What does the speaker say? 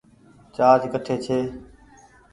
چآرج ڪٺي ڇي ۔